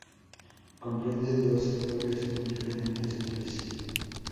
Comprende dos sectores muy diferentes entre sí.